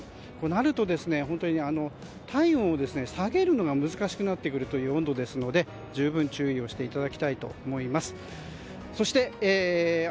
なると体温を下げるのが難しくなってくる温度ですので十分、注意していただきたいと思います。